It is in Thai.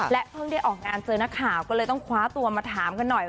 เพิ่งได้ออกงานเจอนักข่าวก็เลยต้องคว้าตัวมาถามกันหน่อย